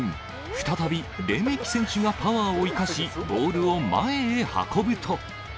再びレメキ選手がパワーを生かし、ボールを前へ運ぶと。